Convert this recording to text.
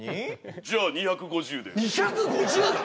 じゃあ２５０で２５０！？